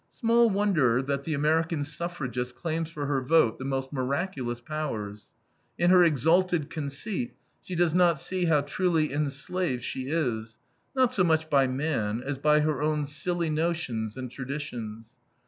Small wonder that the American suffragist claims for her vote the most miraculous powers. In her exalted conceit she does not see how truly enslaved she is, not so much by man, as by her own silly notions and traditions.